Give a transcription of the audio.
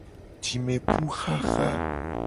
Jimepuxaxa.